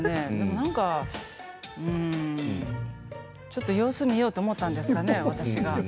なんかちょっと様子を見ようと思ったんですかね